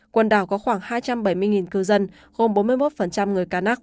quần đảo có khoảng hai trăm bảy mươi cư dân gồm bốn mươi một người ca nác